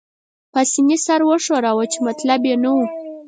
پاسیني سر وښوراوه، چې مطلب يې نه وو.